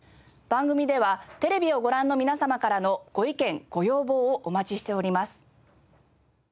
番組ではテレビをご覧の皆様からのご意見ご要望をお待ちしております。